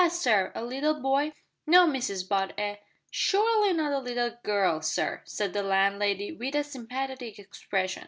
sir a little boy?" "No, Mrs Butt, a " "Surely not a little gurl, sir," said the landlady, with a sympathetic expression.